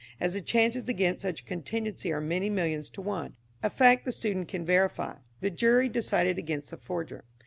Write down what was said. As the chances against such a contingency are many millions to one a fact the student can verify the jury decided against the forger.